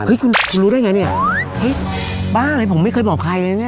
คุณคุณรู้ได้ไงเนี่ยเฮ้ยบ้าอะไรผมไม่เคยบอกใครเลยนะเนี่ย